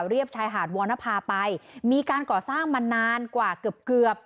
เรียบชายหาดวรรณภาไปมีการก่อสร้างมานานกว่าเกือบเกือบ